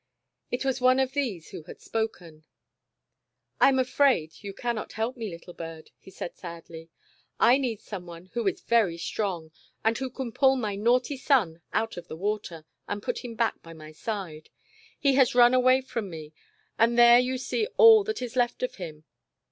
It was one of these who had spoken. "I am afraid you cannot help me, little bird," he said, sadly. " I need someone who is very strong, and who can pull my naughty son out of the water, and put him back by my side. He has The Disobedient Island. 219 run away from me, and there you see all that is left of him."